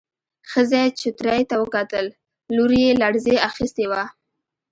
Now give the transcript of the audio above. ښځې چوترې ته وکتل، لور يې لړزې اخيستې وه.